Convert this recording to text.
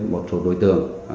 một số đối tượng